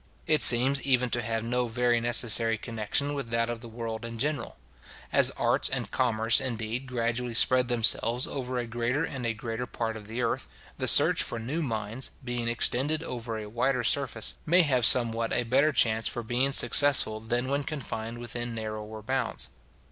It seems even to have no very necessary connection with that of the world in general. As arts and commerce, indeed, gradually spread themselves over a greater and a greater part of the earth, the search for new mines, being extended over a wider surface, may have somewhat a better chance for being successful than when confined within narrower bounds.